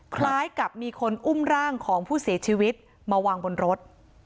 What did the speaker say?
คล้ายกับมีคนอุ้มร่างของผู้เสียชีวิตมาวางบนรถ